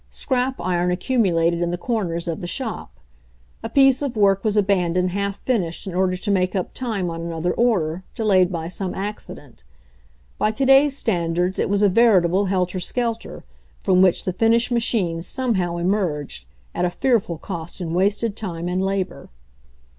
Scrap iron accumulated in the cor ners of the shop. A piece of work was aban doned half finished in order to make up time on another order, delayed by some accident. By to day's standards it was a veritable helter skel ter, from which the finished machines somehow emerged, at a fearful cost in wasted time and labor.